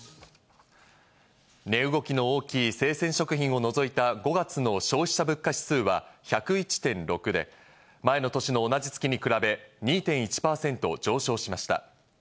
値動きの大きい生鮮食品を除いた５月の消費者物価指数は１０１．６で、前の年の同じ月に比べ、２．１％上昇しました。